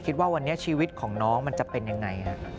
คิดว่าวันนี้ชีวิตของน้องมันจะเป็นยังไง